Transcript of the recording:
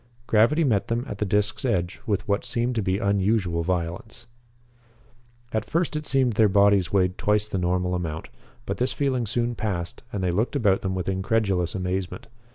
Gravity met them at the disc's edge with what seemed to be unusual violence. At first it seemed that their bodies weighed twice the normal amount, but this feeling soon passed and they looked about them with incredulous amazement.